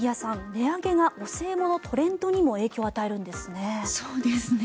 値上げがお歳暮のトレンドにも影響を与えるんですね。